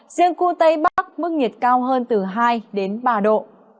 riêng khu tây bắc mức nhiệt cao hơn từ hai đến ba độ